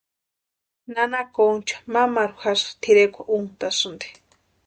Nana Concha mamaru jasï tʼirekwa úntasïnti.